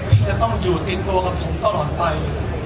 ที่จะต้องอยู่ติดตัวกับผมตลอดไป